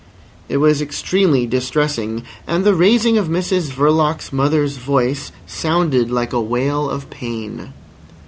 It was extremely distressing; and the raising of Mrs Verloc's mother's voice sounded like a wail of pain.